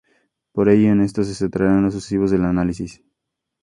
Por ello, en esto se centrará en lo sucesivo el análisis.